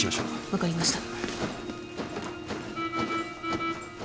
分かりました。